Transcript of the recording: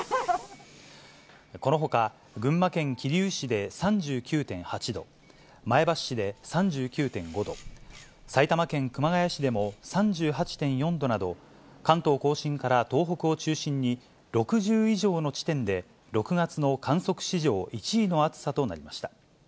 このほか、群馬県桐生市で３９．８度、前橋市で３９．５度、埼玉県熊谷市でも３８．４度など、関東甲信から東北を中心に、６０以上の地点で６月の観測史上１位の暑さとなりました。